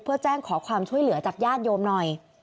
เพื่อแจ้งขอความช่วยเหลือจากญาติโยมหน่อย